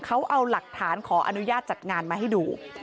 เขาเอาหลักฐานขออนุญาตจัดงานมาให้ดู